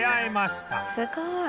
すごーい。